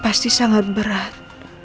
pasti sangat berat